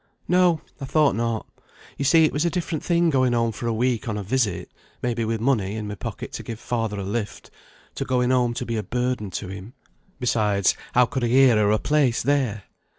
"No, I thought not. You see it was a different thing going home for a week on a visit, may be with money in my pocket to give father a lift, to going home to be a burden to him. Besides, how could I hear o' a place there?